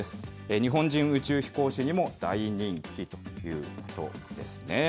日本人宇宙飛行士にも大人気ということですね。